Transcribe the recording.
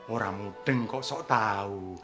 orang mudeng kok soal tau